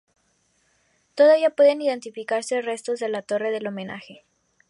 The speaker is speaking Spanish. Todavía pueden identificarse restos de la torre del homenaje.